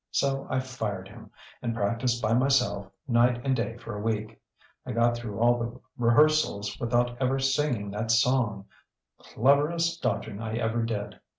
So I fired him, and practised by myself night and day for a week. I got through all the rehearsals without ever singing that song. Cleverest dodging I ever did!